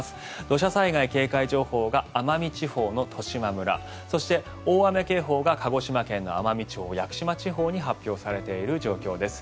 土砂災害警戒情報が奄美地方の十島村そして大雨警報が鹿児島県の奄美地方屋久島地方に発表されている状況です。